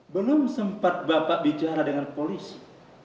belum sempat bapak bicara dengan polisi